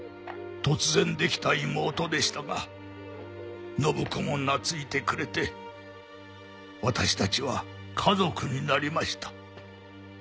突然できた妹でしたが展子も懐いてくれて私たちは家族になりました。